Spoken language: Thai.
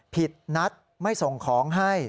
ผิดนัดไม่ส่งของให้